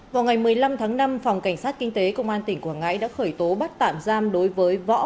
vào ngày một mươi năm tháng năm phòng cảnh sát kinh tế công an tỉnh quảng ngãi đã khởi tố bắt tạm giam đối với võ